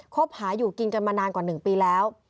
คบหาอยู่กินกันมานานกว่า๑ปีแล้ว